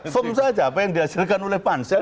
firm saja apa yang dihasilkan oleh pansel